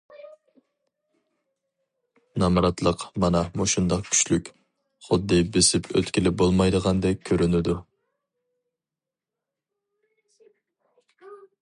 نامراتلىق مانا مۇشۇنداق كۈچلۈك، خۇددى بېسىپ ئۆتكىلى بولمايدىغاندەك كۆرۈنىدۇ.